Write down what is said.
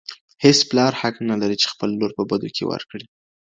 هیڅ پلار حق نه لري چي خپله لور په بدو کي ورکړي.